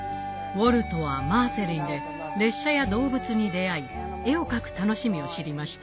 ウォルトはマーセリンで列車や動物に出会い絵を描く楽しみを知りました。